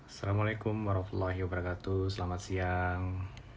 assalamualaikum warahmatullahi wabarakatuh selamat siang